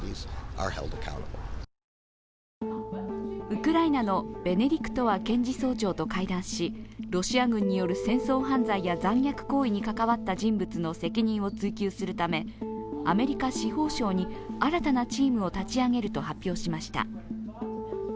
ウクライナのベネディクトワ検事総長と会談しロシア軍による戦争犯罪や残虐行為に関わった人物の責任を追及するため、アメリカ司法省に新たなチームを立ち上げると発表しました。